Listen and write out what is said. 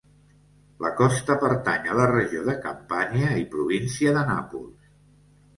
La costa pertany a la regió de Campània i província de Nàpols.